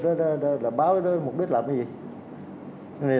động cơ doanh nghiệp đó là báo cái đó mục đích làm cái gì